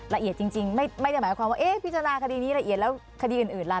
ละเอียดจริงไม่ได้หมายความว่าพิจารณาคดีนี้ละเอียดแล้วคดีอื่นล่ะ